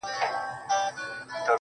راډيو,